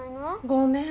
ごめん。